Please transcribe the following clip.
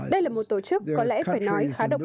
đây là một tổ chức có lẽ phải nói khá độc đáo